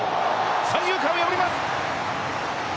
三遊間を破ります！